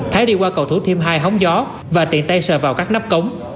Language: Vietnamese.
thái đi qua cầu thủ thiêm hai hống gió và tiện tay sờ vào các nắp cống